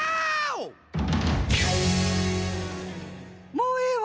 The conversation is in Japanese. もうええわ！